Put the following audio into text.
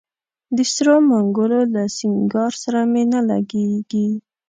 د سرو منګولو له سینګار سره مي نه لګیږي